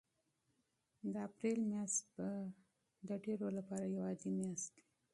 د اپریل میاشت به د ډېرو لپاره یوه عادي میاشت وي.